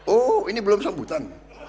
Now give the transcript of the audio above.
oh ini belum sambutan